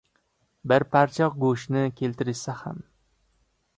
Bir parcha go‘shtni keltirishsa ham